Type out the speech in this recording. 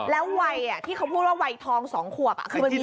แล้ววัยที่เขาพูดว่าวัยทองสองขวบ